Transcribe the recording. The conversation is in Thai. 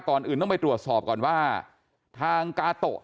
ก่อนอื่นต้องไปตรวจสอบก่อนว่าทางกาโตะ